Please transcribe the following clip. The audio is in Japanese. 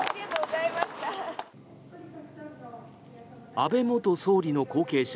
安倍元総理の後継者